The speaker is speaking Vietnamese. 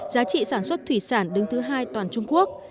giá trị sản xuất thủy sản đứng thứ hai toàn trung quốc